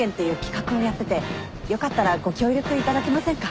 よかったらご協力いただけませんか？